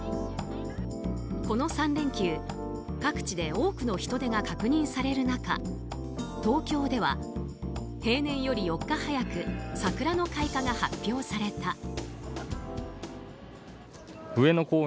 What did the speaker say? この３連休、各地で多くの人出が確認される中東京では平年より４日早く桜の開花が発表された。